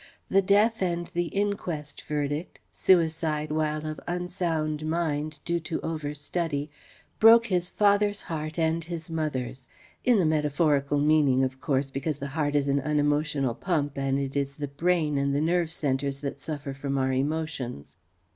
The death and the inquest verdict, "Suicide while of unsound mind, due to overstudy," broke his father's heart and his mother's: in the metaphorical meaning of course, because the heart is an unemotional pump and it is the brain and the nerve centres that suffer from our emotions.